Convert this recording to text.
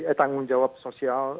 eh tanggung jawab sosial